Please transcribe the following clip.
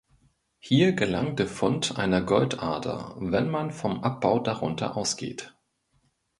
Hier gelang der Fund einer Goldader, wenn man vom Abbau darunter ausgeht.